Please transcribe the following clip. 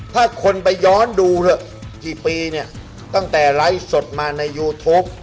ถ้าคนไปย้อนดูกี่ปีเนี่ยตั้งแต่ไลฟ์สดมาในยูทูป